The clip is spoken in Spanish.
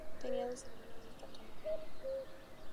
Tenía dos hermanas de estatura normal.